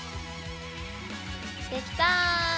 できた！